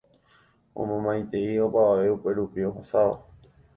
Omomaitei opavave upérupi ohasáva